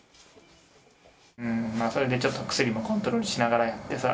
それで、薬もちょっとコントロールしながらやってさ。